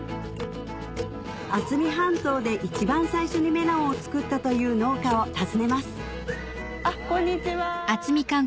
渥美半島で一番最初にメロンを作ったという農家を訪ねますこんにちは。